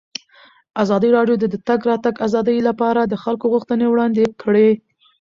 ازادي راډیو د د تګ راتګ ازادي لپاره د خلکو غوښتنې وړاندې کړي.